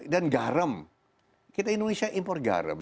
dan garam kita indonesia impor garam